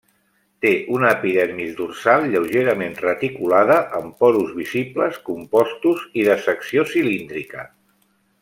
Té una epidermis dorsal lleugerament reticulada amb porus visibles, compostos i de secció cilíndrica.